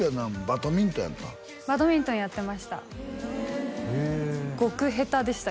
バドミントンやってましたへえ